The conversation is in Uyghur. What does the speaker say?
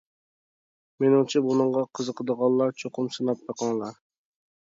مېنىڭچە بۇنىڭغا قىزىقىدىغانلار چوقۇم سىناپ بېقىڭلار.